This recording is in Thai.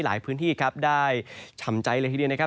หลายพื้นที่ครับได้ฉ่ำใจเลยทีเดียวนะครับ